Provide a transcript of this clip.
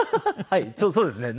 はいそうですね。